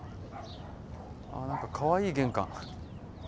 あっ何かかわいい玄関。